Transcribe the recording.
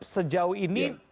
sejauh ini prediksi